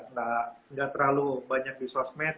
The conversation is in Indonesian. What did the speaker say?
nggak terlalu banyak di sosmed